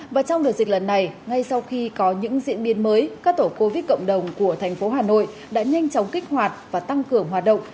và trong đợt dịch lần này ngay sau khi có những diễn biến mới các tổ covid cộng đồng của thành phố hà nội đã nhanh chóng kích hoạt và tăng cường hoạt động